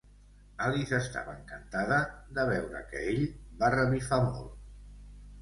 Alice estava encantada de veure que ell va revifar molt.